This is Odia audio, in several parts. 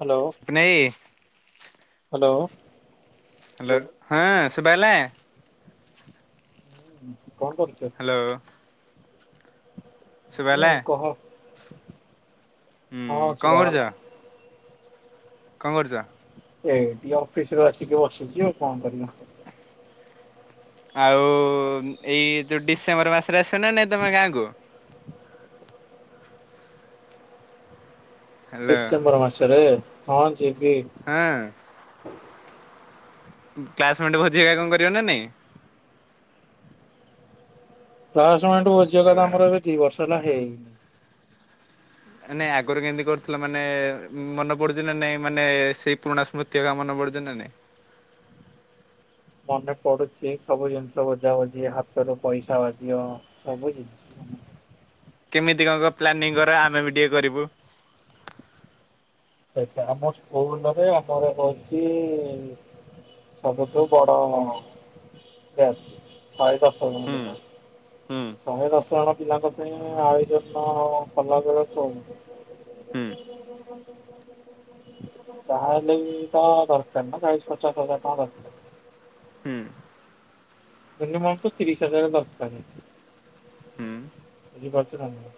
ହାଲୋ ସ୍ନେଇ ହାଲୋ। ହାଲୋ ହଁ ସୁଭାଗଲା? କଣ କରୁଚ? ହାଲୋ। ଉଁ କହ। ହଁ ହୁଁ କଣ ଶୁଭାଗଲା। କରୁଛ? କଣ କରୁଚ? ଏଇ ଟିକେ ଅଫିସରୁ ଆସିକି ବସିଚି ଆଉ କଣ କରିବା। ଆଉ ଏଇ ଯୋଉ ଡିସେମ୍ବର ମାସରେ ଆସିବ ନା ନାଇଁ ତମେ ଗାଁକୁ? ହ୍ୟାଲୋ ଡିସେମ୍ବର ମାସରେ ହଁ ଯିବି। ହଁ। ଉଁକ୍ଲାସମେଟ ଭୋଜି ହେକା କଣ କରିବା ନା ନାଇଁ? ପ୍ରାୟ ସମୟଠୁ ଭୋଜି ହେବ ଏକା ହ୍ୟାଲୋ। ଆମର ଏବେ ଦି ବର୍ଷ ହେଲା ହେଇନି। ନାଇଁ ଆଗରୁ କେମତି କରିଥିଲା ମାନେ ଉଁ ମନେ ପଡୁଚି ନା ନାଇଁ ମାନେ ସେଇ ପୁରୁଣା ସ୍ମୃ ତି ହେକା ମନେ ପଡୁଚି ନା ନାଇଁ? ମନେ ପଡୁଚି ସବୁ ଜିନିଷ ବୁଝାବୁଝି ହାତରୁ ପଇସା ବାଜିବ ସବୁ ଜିନିଷ କେମିତି କଣ କଣ ପ୍ଲାନିଂ କର ଆମେ ବି ଟିକେ କରିବୁ। ଆଚ୍ଛା ଆମ ସ୍କୁଲ ଘରେ ଆମର ରହିଚି ସବୁଠୁ ବଡ ବ୍ୟାଚ ଶହେ ଦଶଜଣ ହୁଁ ପିଲା। ହୁଁ ଶହେ ଦଶ ଜଣ ପିଲାଙ୍କ ପାଇଁ ଆୟୋଜନ କଲାବେଳକୁ ହୁଁ [inaudible] ତାହାହେଲେ ବି ତ ଦରକାର ନା ଚାଳିଶ ପଚାଶ ହଜାର ଟଙ୍କା ଦରକାର। ହୁଁ ମିନିମମ୍ ତ ତିରିଶ ହଜାର ଦରକାରେ। ହୁଁ ବୁଝିପାରଚୁ ନାଇଁ।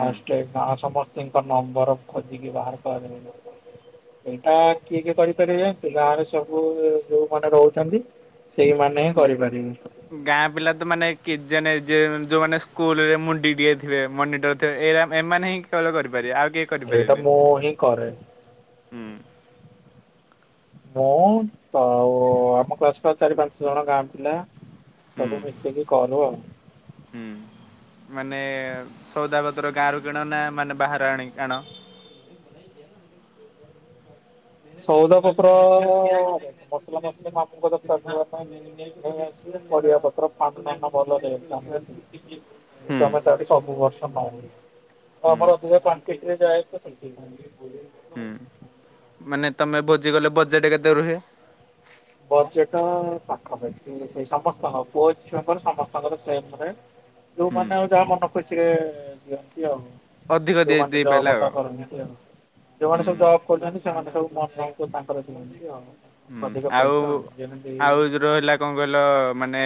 ଫାଷ୍ଟ ଗାଁ ସମସ୍ତିଙ୍କ ନମ୍ବର ଖୋଜିକି ବାହାର କରା ଏଇଟା କିଏ କିଏ କରିପାରିବେ ଜାଣିଚୁ ଗାଁରେ ସବୁ ଯୋଉ ମାନେ ରହୁଚନ୍ତି ସେଇମାନେ ହିଁ କରିପାରିବେ। ଗାଁ ପିଲା ତ ମାନେ କିଏ ଯେନେ ଯେ ମାନ ଯୋଉମାନେ ସ୍କୁଲରେ ମୁଣ୍ଡିଟିକେ ଥିବେ ମନିଟର୍ ତ ଏ ଏମାନେ ହିଁ କେବଲ କରିପାରିବେ ଆଉ କେହି ଏଇଟା କରିପାରିବେନି ମୁଁ ହିଁ କରେ। ହୁଁ। ମୁଁ ତ ଆଉ ଆମ କ୍ଲାସର ଚାରି ପାଞ୍ଚ ଜଣ ଗାଁ ପିଲା ହୁଁ ସବୁ ମିଶିକି କରୁ ଆଉ। ହୁଁ। ମାନେ ସଉଦା ପତ୍ର ଗାଁରୁ କିଣ ନା ମାନେ ବାହାରୁ ଆଣି ଆଣ? ସଉଦା ପତ୍ର ମସଲା ମସଲି ମାମୁଁଙ୍କ ଦୋକନ। [unintelligible] ସେ ଆସିଲେ ପରିବା ପତ୍ର ପାନ ଫାନ ଭଲ ଦେବେ। ଏ ହୁଁ ତମେ ତାଠି ସବୁ ବର୍ଷ। [unintelligible] ହୁଁ ଆମର ଅଧିକ କ୍ୱାଣ୍ଟିଟିରେ ଯାଏ ତ ସେଇଥିପାଇଁ। ହୁଁ। ମାନେ ତମେ ଭୋଜି କଲେ ବଜେଟ କେତେ ରୁହେ? ବଜେଟ ପାଖପାଖି ସେଇ ସମସ୍ତଙ୍କ ପୁଅ ଝିଅଙ୍କର ସମସ୍ତଙ୍କର ସେମ୍ ରେଟ୍। ହୁଁ ଯୋଉମାନେ ଆଉ ଯାହା ମନ ଖୁସିରେ ଦିଅନ୍ତି ଆଉ। ଅଧିକ ଦେଇ ଯୋଉମାନେ ଦେଇପାରିଲା ଜବ୍ ଆଉ କରନ୍ତି ଆଉ। ଯୋଉମାନେ ସବୁ ହୁଁ। ଜବ୍ କରୁଛନ୍ତି ସେମାନେ ସବୁ [unintelligible] ତାଙ୍କର ଦିଅନ୍ତି ଆଉ ହୁଁ ଅଧିକ ଆଉ ପଇସା ଯେମିତି ଆଉ ଯଉ ରହିଲା କଣ କହିଲ ମାନେ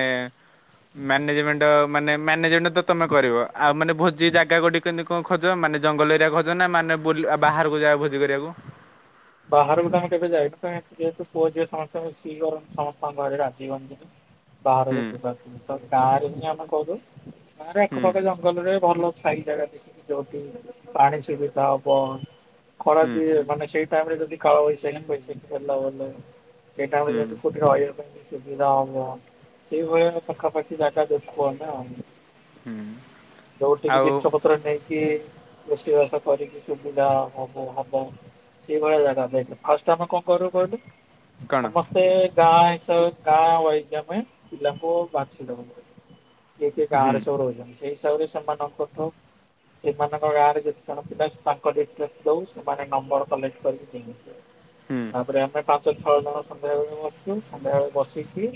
ମ୍ୟାନେଜମେଣ୍ଟ ମାନେ ମ୍ୟାନେଜମେଣ୍ଟ ତମେ କରିବ। ଆଉ ମାନେ ଭୋଜି ଜାଗା କୋଉଟି କେନ୍ତି କଣ ଖୋଜ? ମାନେ ଜଙ୍ଗଲ ଏରିଆ ଖୋଜ ନା ମାନେ ବୁଲ ବାହାରକୁ ଯା ଭୋଜି କରିବାକୁ? ବାହାରକୁ ତ ଆମେ କେବେ ଯାଇନୁ। କାହିଁକି ଯେହେତୁ ପୁଅ ଝିଅ ସମସ୍ତେ ମିଶିକି କରନ୍ତି ସମସ୍ତଙ୍କ ଘରେ ରାଜି ହୁଅ ହୁଁ ବାହାରକୁ ଯିବାର ନାହିଁ। ତ ଗାଁ ରେ ହିଁ ଆମେ କରୁ। ଗାଁ ରେ ହୁଁ ଆଖପାଖ ଜଙ୍ଗଲରେ ଭଲ ଛାଇ ଜାଗା ଦେଖିକି ଯୋଉଠି ପାଣି ସୁବିଧା ହବ, ଖରା ହୁଁ ଦିଏ ମାନେ ସେଇ ତା ପରେ ଯଦି କାଳବୈଶାଖୀ ଫୈଶାଖୀ ହେଲା ବଲେ। ସେଇ ଟାଇମ୍ ରେ ହୁଁ ଯେମିତି କୋଉଠି ରହିବା ପାଇଁ ସୁବିଧା ହବ। ସେଇଭଳିଆ ପାଖାପାଖି ଜାଗା ଦେଖୁ ଆମେ ଆଉ। ହୁଁ। ଯୋଉଠିକି ଆଉ ଜିନିଷ ପତ୍ର ନେଇକି ରୋଷେଇ ବାସ କରିକି ସୁବିଧା ହବ ହବ। ସେଇ ଭଳିଆ ଜାଗା ଦେଖ୍। ଫାଷ୍ଟ ଆମେ କଣ କରିବୁ କହିଲୁ କଣ? ସମସ୍ତେ ଗାଁ ହିସାବରେ ଗାଁ ୱାଇଜ୍ ଆମେ ପିଲାଙ୍କୁ ବାଛି ଦବୁ। କିଏ କିଏ ହୁଁ ଗାଁରେ ସବୁ ରହୁଛନ୍ତି। ସେଇ ହିସାବରେ ସେମାନଙ୍କଠୁ ସେମାନଙ୍କ ଗାଁରେ ଯେତେ ଜଣ ପିଲା ତାଙ୍କ ଡିଟେଲେସ୍ ନଉ, ସେମାନେ ନମ୍ବର କଲେକ୍ଟ କରିିକି। [unintelligible] ହୁଁ ତାପରେ ଆମେ ପାଞ୍ଚ ଛଅ ଜଣ ସନ୍ଧ୍ୟା ବେଳେ ବସୁ, ସନ୍ଧ୍ୟା ବେଳେ ବସିକି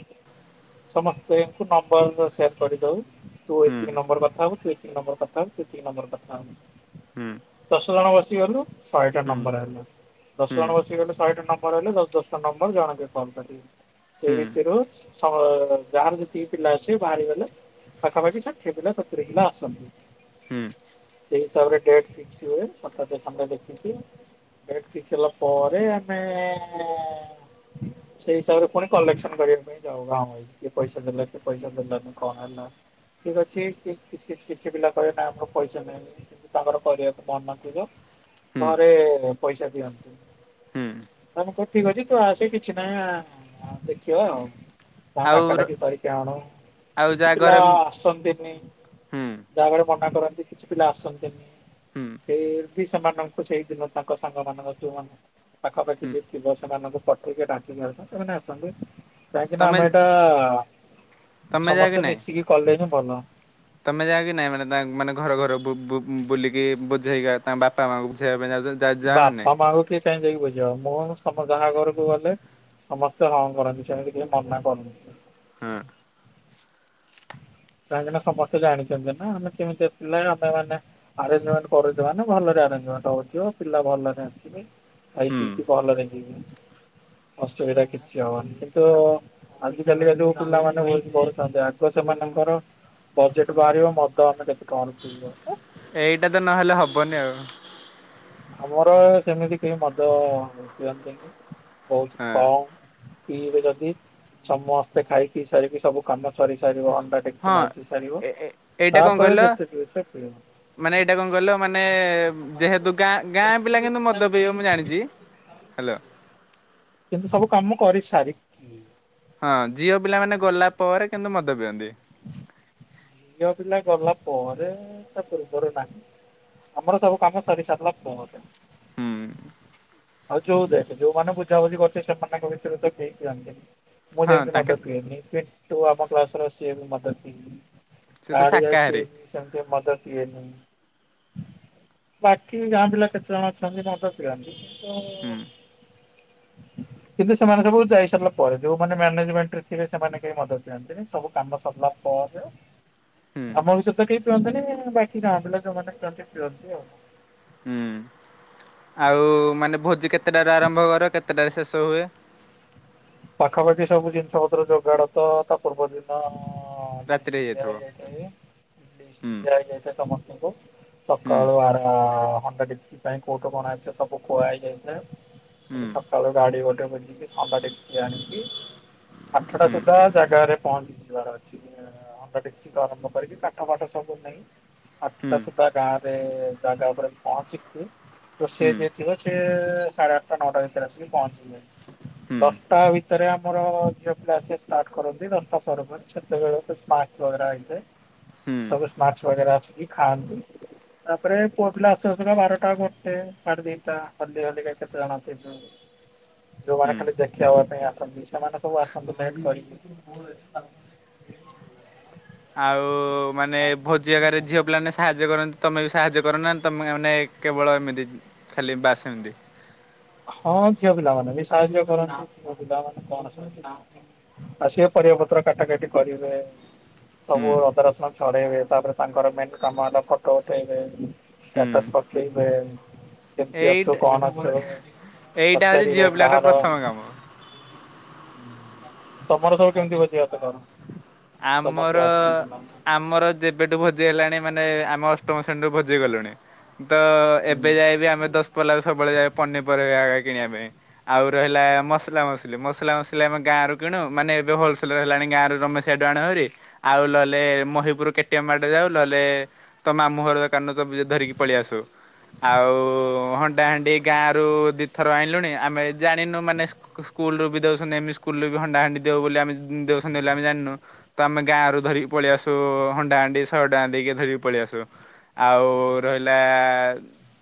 ସମସ୍ତେ ଙ୍କୁ ନମ୍ବର ସେଣ୍ଡ କରିଦଉ। ତୁ ହୁଁ ଏତିିକି ନମ୍ବର କଥା ହବୁ। ତୁ ଏତିକି ନମ୍ବର କଥା ହବୁ। ତୁ ଏତିକି ନମ୍ବର କଥା ହବୁ। ହୁଁ ଦଶ ଜଣ ବସିଗଲୁ ଶହେଟା ହୁଁ ହୁଁ ନମ୍ବର ଆ ହୁଁ ଦଶ ଜଣ ବସିଗଲେ ଶହେଟା ନମ୍ବର ହେଲେ ଦଶ ଦଶ ଟା ନମ୍ବର ଜଣକେ କଲ୍ କରିବୁ। ସେଇ ଭିତରୁ ହୁଁ ସ ଯାହାର ଯେତିକି ପିଲା ଆସିବେ ବାହାରିଗଲେ ପାଖାପାଖି ଷାଠିଏ ପିଲା ସତୁୁରୀ ପିଲା ଆସନ୍ତି। ସେଇ ହିସାବରେ ଡେଟ୍ ଫିକ୍ସ ହୁଏ। ସଟର୍ ଡେ, ସଣ୍ଡେ ଦେଖିକି। ଡେଟ୍ ଫିକ୍ସ ହେଲା ପରେ ଆମେ ସେଇ ହିସାବରେ ପୁଣି କଲେକ୍ସନ କରିବା ପାଇଁ ଯାଉ ଗାଁ ୱାଇଜ୍। କିଏ ପଇସା ଦେଲା କିଏ ପଇସା ଦେଲାନି କଣ ହେଲା। ଠିକ୍ ଅଛି। କି କିଛି କିଛି ପିଲା କହିବେ ନା ଆମର ପଇସା ନାହିଁ। କିନ୍ତୁ ତାଙ୍କର କରିବାକୁ ମନ ଥିବ। ହୁଁ ଘରେ ପଇସା ଦିଅନ୍ତିନି। ହୁଁ। ମାନେ କହିବୁ ଠିକ୍ ଅଛି ତୁ ଆସେ କିଛି ନାହିଁ ଦେଖିବା ଆଉ। ତା ଆଉ ଡାକା ଡାକି କରିକି ଆଣୁ, ଆଉ କିଛି ଯାହା ପିଲା ଘରେ ହୁଁ ଆସନ୍ତିନି। ଯାହା ଘରେ ମନା କରନ୍ତି କିଛି ପିଲା ଆସନ୍ତିନି। ହୁଁ ଫିର୍ ବି ସେମାନଙ୍କୁ ସେଇ ଦିନ ତାଙ୍କ ସାଙ୍ଗ ମାନଙ୍କ ଯୋଉମାନେ ପାଖାପାଖି ହୁଁ ଯିଏ ଥିବ ସେମାନଙ୍କୁ ପଠେଇକି ଡାକିକି ଆଣନ୍ତି। ସେମାନେ ଆସନ୍ତି। କାହିଁକି ନା ତମେ ଆମେ ଏଟା ତମେ ଯାଅ କି ସମସ୍ତେ ନାଇଁ? ମିଶିକି କଲେ ହିଁ ଭଲ। ତମେ ଯାଅ କିି ନାଇଁ ମାନେ ତା ମାନେ ଘର ଘର ବୁ-ବୁ-ବୁଲିକି ବୁଝେଇବା ତାଙ୍କ ବାପା ମାଆଙ୍କୁ ବୁଝେଇବା ପାଇଁ ଯାଉଚ ବାପା ମାଆଙ୍କୁ କିଏ କାହିଁ ଯାଇକି ବୁଝିବ ମୁଁ ସମ୍ପ ଯାହା ଘରକୁ ଗଲେ ସମସ୍ତେ ହଁ କରନ୍ତି ସେମିତି କେହିଁ ମନା କରନ୍ତିନି। ହୁଁ। କାହିଁକି ନା ସମସ୍ତେ ଜାଣିଛନ୍ତି ନା ଆମେ କେମିତିଆ ପିଲା ଆମେ ମାନେ ଆରେଞ୍ଜମଣ୍ଟ କରୁଚୁମାନେ ଭଲରେ ଆରେଞ୍ଜମଣ୍ଟ ହୋଉଥିବ ପିଲା ଭଲରେ ଆସିବେ। ଖାଇ ହୁଁ ପିିଇକି ଭଲ ରେ ଯିବେ ଅସୁବିଧା କିଛି ହବନି କିନ୍ତୁ ଆଜିକାଲିିକା ଯୋଉ ପିଲାମାନେ ଭୋଜି କରୁଛନ୍ତି ଆଗ ସେମାନେ ତାର ବଜେଟ ବାହାରିବ ମଦ ଆମେ କେତେ ଟଙ୍କାରେ ପିଇବୁ। ଏଇଟା ତ ନହେଲେ ହବନି ଆଉ। ଆମର ସେମିତି କେହି ମଦ ପିଅନ୍ତିନି। ବହୁତ ହଁ କମ ପିଇବେ ଯଦି ସମସ୍ତେ ଖାଇ ପିଇ ସାରିକି ସବୁ କାମ ସରି ସାରିବ ହଣ୍ଡା ଡେକ୍ଚି ହଁ ମାଜି ସାରିବ ଏ ଏ ଏଇଟା କଣ କହିଲ ତାପରେ ଯେତେ ପିଉଚ ପିଅ। ମାନେ ଏଇଟା କହିଲ ମାନେ ଏ ଯେହେତୁ ଗାଁ ଗାଁ ପିଲା କିନ୍ତୁ ମଦ ପିଇବେ ମୁଁ ଜାଣିଛି। ହେଲୋ କିନ୍ତୁ ସବୁ କାମ କରି ସାରି। ହଁ ଝିଅ ପିଲାମାନେ ଗଲା ପରେ କିନ୍ତୁ ମଦ ପିଅନ୍ତି। ଝିଅ ପିଲା ଗଲା ପରେ ତା ପୂର୍ବରୁ ନାହିଁ। ଆମର ସବୁ କାମ ସରି ସାରିଲା ପରେ। ହୁଁ ଆଉ ଯୋଉ ଦେଖ ଯୋଉମାନେ ବୁଝାବୁଝି କରୁଛେ ସେମାନଙ୍କ ଭିତରେ ତ କେହି ପିଅନ୍ତିନି। ମୁଁ ହଁ ଯେମିତି ତାଙ୍କେ ମଦ ପିଣ୍ଟୁ ଆମ କ୍ଲାସର ସିଏ ବି ମଦ ପିଏନି। ସେ ତ ଗାଁ ଆଡେ ଶାକାହାରୀ ସିଏ ବି ସେମିତି ମଦ ପିଏନି। ବାକି ଗାଁ ପିଲା କେତେ ଜଣ ଅଛନ୍ତି ମଦ ପିଅନ୍ତି। ହୁଁ କିନ୍ତୁ କିନ୍ତୁ ସେମାନେ ସବୁ ଯାଇ ସାରିଲା ପରେ ଯୋଉମାନେ ମ୍ୟାନେଜମେଣ୍ଟରେ ଥିବେ ସେମାନେ କେହି ମଦ ପିଅନ୍ତିନି। ସବୁ କାମ ସରିଲା ପରେ ହୁଁ ଆମ ଭିତରେ ତ କେହି ପିଅନ୍ତିନି ବାକି ଗାଁ ପିଲା ଯଉମାନେ ପିଅନ୍ତି ପିଅନ୍ତି ଆଉ। ହୁଁ। ଆଉ ମାନେ ଭୋଜି କେତେଟାରୁ ଆରମ୍ଭ କର କେତେଟାରେ ଶେଷ ହୁଏ। ପାଖାପାଖି ସବୁ ଜିନିଷ ପତ୍ର ଯୋଗାଡ ତ ତା ପୂର୍ବଦିନ। ଆଁ ଲିଷ୍ଟ ରାତିରେ ହେଇଯାଇଥିବ ଦିଆହେଇଯାଇଥାଏ ଲିଷ୍ଟ ଦିଆ ହେଇଯାଇଥାଏ ସମସ୍ତଙ୍କୁ। ସକାଳୁ ଆ ହଣ୍ଡା ଡେକ୍ଚି ପାଇଁ କୋଉଠୁ କଣ ଆସିବ ସବୁ କୁହା ହେଇଯାଇଥାଏ। ଖାଲି ସକାଳୁ ଗାଡି ଗୋଟେ ବୁଝିକି ହଣ୍ଡା ଡେ କ୍ଚି ଆଣିକି ଆଠଟା ସୁଦ୍ଧା ଜାଗାରେ ପହଞ୍ଚି ଯିବାର ଅଛି। ହଣ୍ଡା ଡେକ୍ଚୀଠୁ ଆରମ୍ଭ କରିକି କାଠଫାଠ ସବୁ ନେଇକି ଆଠଟା ସୁଦ୍ଧା ଗାଁ ରେ ଜାଗା ଉପରେ ପହଞ୍ଚିିକି ତ ସିଏ ଯିଏ ଆଉ ଥିବେ ସିଏ ସାଢ଼େ ଆଠଟା ନଅଟା ଭିତରେ ଆସିକି ପହଞ୍ଚିଯିବେ। ତା ଭିତରେ ଆମର ଝିଅପିଲା ଆସିବା ଷ୍ଟାର୍ଟ କରନ୍ତି ଦଶଟା ପରେ ପରେ। ସେତେବେଳକୁ ସ୍ନାକ୍ସ ବଗେରା ହେଇଥାଏ ସବୁ ଶ୍ନାକ୍ସ ବଗେରା ଆସିକି ଖାଆନ୍ତି। ତାପରେ ପୁଅ ପିଲା ଆସୁ ଆସୁକା ବାରଟା ଗୋଟେ ସାଢେ ତିନିଟା ହଲି ହଲିକା କେତେ ଜଣ ଯୋଉମାନେ ଖାଲି ଦେଖ ଖେଇହବା ପାଇଁ ଆସନ୍ତି ସେମାନେ ସବୁ ଆସନ୍ତି ଲେଟ୍ କରିକି। ଆଉ ମାନେ ଭୋଜି ଆଗରେ ଝିଅ ପିଲାମାନେ ସାହାଯ୍ୟ ସାହାଯ୍ୟ କରନ୍ତି ତମେ ବି ସାହାଯ୍ୟ କର ନା ତମେ ମାନେ କେବଳ ଏମିତି ଖାଲି ବାସ୍ ଏମିତି? ହଁ ଝିଅ ପିଲାମାନେ ବି ସାହାଯ୍ୟ କରନ୍ତି ପୁଅ ପିଲାମାନେ କଣ ସବୁ ଆସିବେ ପରିବା ପତ୍ର କାଟା କଟି କରିବେ। ସବୁ ହୁଁ ଅଦା ରସୁଣ ଛଡେଇବେ। ତାପରେ ତାଙ୍କର ମେନ କାମ ହେଲା ଫଟୋ ଉଠେଇବେ। ହୁଁ ଷ୍ଟାଟସ୍ ପକେଇବେ କେମତି ଏଇଟା ଅଛୁ କଣ ଅଛୁ। ଏଇଟା ହେଉଛି ପଚାରିବେ ଝିଅ ପିଲାର କାହାର ପ୍ରଥମ କାମ। ତମର ସବୁ କେମିତି ଭୋଜି ଭାତ କର? ତମ ଆମର କ୍ଲାସମେଟ୍ ପିଲାଙ୍କୁ ଆମର ଯେବେଠୁ ଭୋଜି ହେଲାଣି ମାନେ ଆମେ ଅଷ୍ଟମ ଶ୍ରେଣୀରୁ ଭୋଜି କଲୁଣି ତ ହୁଁ ଏବେ ଯାଏ ଆମେ ଦଶ ପିଲାଉ ସବୁବେଳେ ଯାଇ ପନିରିବା କିଣିବା ପାଇଁ। ଆଉ ରହିଲା ମସଲା ମସଲି ମସଲା ମସଲି ଆମେ ଗାଁ ର କିଣୁ ମାନେ ଏବେ ହୋଲସେଲ ର ହେଲାଣି ଗାଁରୁ ର ସେଡୁ ଆଣେ ହେରି ଆଉ ଲଲେ ମହିପୁର କେଟିଏମ ମାଡେ ଯାଉ ଲଲେ ତ ମାମୁଁର କାରାନ ତ ଧରିକି ପଳେଇଆସୁ। ଆଉ ହଣ୍ଡାହାଣ୍ଡି ଗାଁ ରରୁ ଦିଥର ଆଣିଲୁଣି ଆମେ ଜାଣିନୁ ମାନେ ସ୍କୁଲୁରୁ ବି ଦଉଛନ୍ତି ଏମିତି ସ୍କୁଲ୍ ବି ହଣ୍ଡା ହଣ୍ଡି ଦେଉ ବୋଲି ଆମେ ଦେଉଛନ୍ତି ବୋଲି ଆମେ ଜାଣିନୁ। ତ ଆମେ ଗାଁ ରୁ ଧରିକି ପଳେଇ ଆସୁ ହଣ୍ଡା ହଣ୍ଡି ସଏ ଟଙ୍କା ଦେଇକି ଧରିକି ପଳେଇଆସୁ। ଆଉ ରହିଲା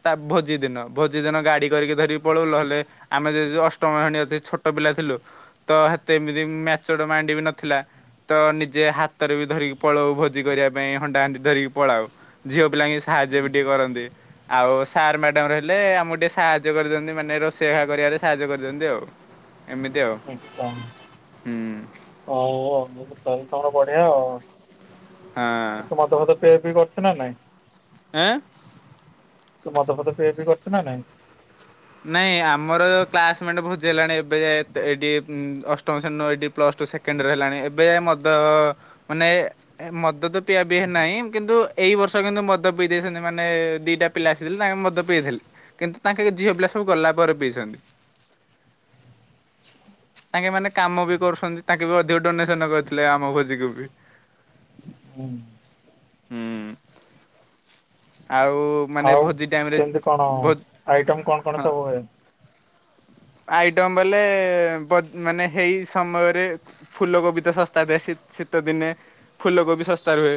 ତା ଭୋଜି ଦିନ ଭୋଜି ଦିନ ଗାଡ଼ି କରିକି ଧରିକି ପଳଉ ନହେଲେ ଆମେ ଯଦି ଅଷ୍ଟମ ଶେଣୀ ଅ ଛୋଟ ପିଲା ଥିଲୁ ତ ସେତେ ଏମିତି ମମ୍ୟାଚୁଅର୍ ମାଇଣ୍ଡ ବି ନଥିଲା। ତ ନିଜେ ହାତରେ ବି ଧରିକି ପଳାଉ ଭୋଜି କରିବା ପାଇଁ ହଣ୍ଡା ହାଣ୍ଡି ଧରିକି ପଳାଉ ଝିଅ ପିଲାଙ୍କ ସାହାଯ୍ୟ ବି ଟିକେ କରନ୍ତି। ଆଉ ସାର୍ ମ୍ୟାଡ଼ାମ ରହିଲେ ଆମକୁ ଟିକେ ସାହାଯ୍ୟ କରିଦିଅନ୍ତି। ମାନେ ରୋଷେଇ ଘା କରିବାରେ ସାହାଯ୍ୟ କରିଦିଅନ୍ତି ଆଉ। ଏମିତି ଆଉ। ଆଚ୍ଛା ହୁଁ ହଁ ତାହଲେ ତମର ବଢିଆ ଆଉ। ଏ ତୁ ହଁ ମଦ ଫଦ ପିଆ ପିଇ କରୁଛୁ ନା ନାଇଁ? ଆଁ ତୁ ମଦ ଫଦ ପିଆ ପିଇ କରୁଛୁ ନା ନାଇଁ? ନାଇଁ ଆମର କ୍ଲାସମେଟ ଭୋଜି ହେଲାଣି ଏବେ ଏତେ ଏଇଠି ଉମ ଅଷ୍ଟମ ଶ୍ରେଣୀରୁ ଏଠି ପ୍ଲସ୍ ଟୁ ସେକେଣ୍ଡୟର ହେଲାଣି, ଏବେ ମଦ ମାନେ ମଦ ତ ପିଆ ପିଇ ନାହିଁ କିନ୍ତୁ ଏଇ ବର୍ଷ କିନ୍ତୁ ମଦ ପିଇ ଦେଇଛନ୍ତି ମାନେ ଦିଟା ପିଲା ଆସିଥିଲେ ତାଙ୍କ ମଦ ପିଇଥିଲେ କିନ୍ତୁ ତାଙ୍କେ ଝିଅ ପିଲା ସବୁ ଗଲା ପରେ ପିଇଛନ୍ତି। ତାଙ୍କେ ମାନେ କାମ ବି କରୁଛନ୍ତି ତାଙ୍କେ ବି ଅଧିକ ଡୋନେସନ କରିଥିଲେ ଆମ ଭୋଜିକୁୁ ବି। ହୁଁ। ହୁଁ ଆଉ ମାନେ ଆଉ ଭୋଜି ଟାଇମରେ କେମିତି କଣ ଭୋ ଆଇଟମ କଣ କଣ ହଁ ସବୁ ହୁଏ? ଆଇଟମ୍ ବେଲେ ବୋ ମାନେ ହେଇ ସମୟରେ ଫୁଲ କୋବି ତ ଶସ୍ତା ଥାଏ ଶୀ-ଶୀତ ଦିନେ, ଫୁଲ କୋବି ଶସ୍ତା ରୁହେ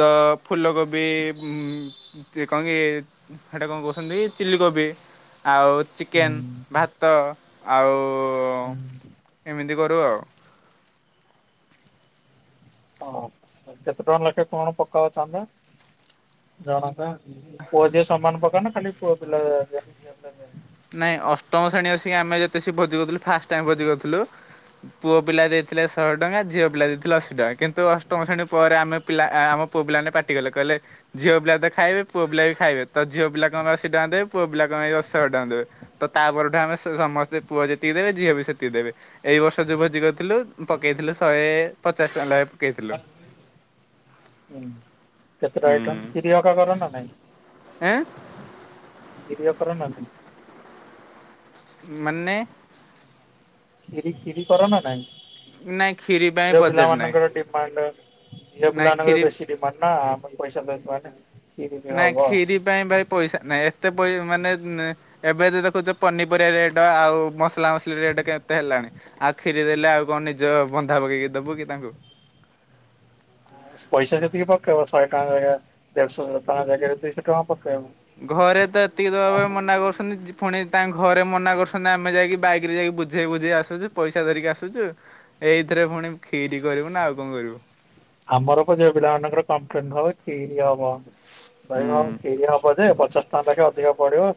ତ ଫୁଲ କୋବି ଉମ କଣ କି ସେଇଟା କଣ କହୁଛନ୍ତି ଚିଲି କୋବି। ଆଉ ହୁଁ। ଚିକେନ୍, ଭାତ ଆଉ ହୁଁ ଏମିତି କରୁ ଆଉ। ଆଚ୍ଛା କେତେ ଟଙ୍କା ଲେଖା କଣ ପକାଅ ଚାନ୍ଦା, ଜଣକା? ପୁଅ ଝିଅ ସମାନ ପକା ନା ଖାଲି ପୁଅ ପିଲା ଦିଅନ୍ତି ଝିଅ ପିଲା ଦିଅନ୍ତିନି। ନାଇଁ ଅଷ୍ଟମ ଶ୍ରେଣୀ ଆସିକି ଆମେ ଯେତେ ବସିକି ଭୋଜି କରୁଥିଲୁ, ଫାଷ୍ଟ ଟାଇମ୍ ଭୋଜି କରୁଥିଲୁ। ପୁଅ ପିଲା ଦେଇଥିଲେ ଶହେ ଟଙ୍କା ଝିଅ ପିଲା ଦେଇଥିଲେ ଅଶୀ ଟଙ୍କା କିନ୍ତୁ ଅଷ୍ଟମ ଶ୍ରେଣୀ ପରେ ଆମେ ପିଲା ଆ ଆମ ପୁଅପିଲାମାନେ ପାଟିକଲେ କହିଲେ ଝିଅ ପିଲା ତ ଖାଇବେ ପୁଅ ପିଲା ବି ଖାଇବେ ତ ଝିଅ ପିଲା କଣ ପାଇଁ ଅଶୀ ଟଙ୍କା ଦେବେ ପୁଅ ପିଲା କଣ ପାଇଁ ଅଶ ଶହେ ଦେବେ ତ ତା ପରଠୁ ଆମେ ସ ସମସ୍ତେ ପୁଅ ଯେତିକି ଦେବେ ଝିଅ ବି ସେତିକି ଦେବେ। ଏଇ ବର୍ଷ ଯୋଉ ଭୋଜି କରିଥିଲୁ ପକେଇଥିଲୁ ଶହେ ପଚାଶ ଟଙ୍କା ଲେଖା ପକେଇଥିଲୁ। ହୁଁ କେତେଟା ଆଇଟମ୍ କ୍ଷୀରି ହକା କର ନା ଏଁ ନାଇଁ? କ୍ଷୀରି ଓ କରନା ନାଇଁ? ମାନେ? କ୍ଷୀରି କ୍ଷୀରି କର ନା ନାଇଁ? ନାଇଁ କ୍ଷୀରି ପାଇଁ ଝିଅ ବଜେଟ ପିଲା ନାହିଁ। ମାନଙ୍କର ଡିମାଣ୍ଡ ଝିଅ ନାଇଁ ପିଲାମାନଙ୍କର କ୍ଷୀରି ବେଶୀ ଡିମାଣ୍ଡ ନା ଆମର ପଇସା ଦଉଥିବା ନା। ନାଇଁ କ୍ଷୀରି ପାଇଁ ଭାଇ ପଇସା ନାଇଁ ଏତେ ପଇସା ମାନେ ଏବେ ତ ଦେଖୁଛ ପନିପରିବା ରେଟ ଆଉ ମସଲା ମସଲି ରେଟ୍ କେତେ ହେଲାଣି। ଆଉ କ୍ଷୀରି ଦେଲେ ଆଉ କଣ ନିଜ ବନ୍ଧା ପକେଇକି ଦବୁ କି ତାଙ୍କୁ? ପଇସା ସେତିକି ପକେଇବ ଶହେ ଟଙ୍କା ଭଳିଆ ଦେଢଶହ ଟଙ୍କା ଜାଗାରେ ଦୁଇଶହ ଟଙ୍କା ପକେଇବ। ଘରେ ତ ଏତିକି ଦବା ଆମ ପାଇଁ ମନା କରୁଛନ୍ତି ପୁଣି ତାଙ୍କ ଘରେ ମନା କରୁଛନ୍ତି ଆମେ ଯାଇକି ବାଇକ୍ ରେ ଯାଇକି ବୁଝେଇ ବୁଝେଇ ଆସୁଛୁ ପଇସା ଧରିକି ଆସୁଛୁ। ଏଇଥିରେ ପୁଣି କ୍ଷୀରି କରିବୁ ନା ଆଉ କଣ କରିବୁ। ଆମର ପା ଝିଅ ପିଲାମାନଙ୍କର କମ୍ପ୍ଲେନ୍ ଖିରି ହବ। ଭାଇ ହଁ ହୁଁ। କ୍ଷୀରି ହବ ଯେ ପଚାଶ ତା ପାଖେ ଅଧିକ ପଡିବ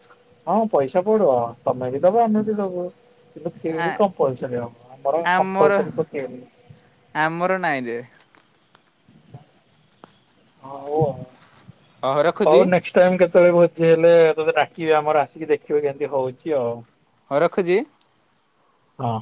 ହଁ ପଇସା ପଡିବ ତମେ ବି ଦବ ଆମେ ବି ଦବୁ। କିନ୍ତୁ ଆ କ୍ଷୀରି କମ୍ପଲସରି ହବ, ଆମର କମ୍ପଲସରି ତ କ୍ଷୀରି। ଆମର ନାଇଁରେ। ହଉ ଆଉ ହଉ ନେ ଟାଇମ୍ କେତେବେଳେ ଭୋଜି ହେଲେ ତୋତେ ଡାକିବି ଆମର ଆସିକି ଦେଖିବୁ କେମିତି ହଉଛି ଆଉ। ହଁ ରଖୁଛି। ହଁ।